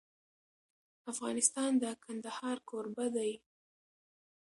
افغانستان د کندهار کوربه دی.